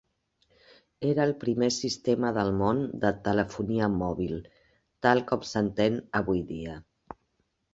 Era el primer sistema del món de telefonia mòbil tal com s'entén avui dia.